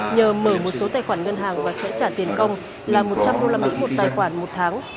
nhờ mở một số tài khoản ngân hàng và sẽ trả tiền công là một trăm linh usd một tài khoản một tháng